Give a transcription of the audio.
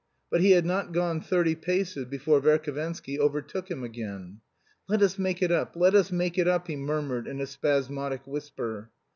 But he had not gone thirty paces before Verhovensky overtook him again. "Let us make it up; let us make it up!" he murmured in a spasmodic whisper.